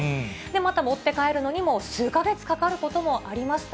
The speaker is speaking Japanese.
また持って帰るのにも数か月かかることもありました。